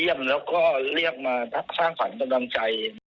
เราก็เลือกมาทักสร้างฝันตำรวจงานใจ